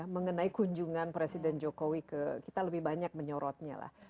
mengenai kunjungan presiden jokowi ke kita lebih banyak menyorotnya lah